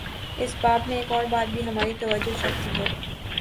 اس باب میں ایک اور بات بھی ہماری توجہ چاہتی ہے۔